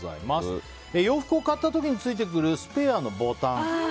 洋服を買った時についてくるスペアのボタン。